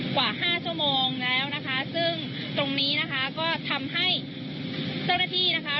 กว่าห้าชั่วโมงแล้วนะคะซึ่งตรงนี้นะคะก็ทำให้เจ้าหน้าที่นะคะ